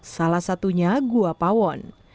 salah satunya gua pawon